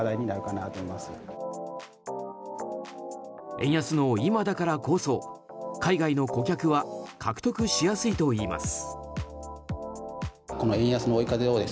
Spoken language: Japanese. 円安の今だからこそ海外の顧客は獲得しやすいといいます。